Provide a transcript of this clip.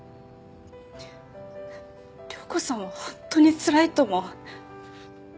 涼子さんは本当につらいと思う。